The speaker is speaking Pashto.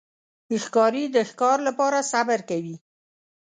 ښکاري د ښکار لپاره صبر کوي.